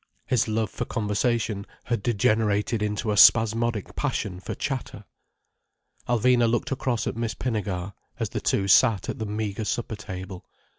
His love for conversation had degenerated into a spasmodic passion for chatter. Alvina looked across at Miss Pinnegar, as the two sat at the meagre supper table.